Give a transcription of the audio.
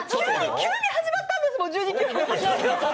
急に始まったんですもん。